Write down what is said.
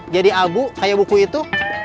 abu kayak buku itu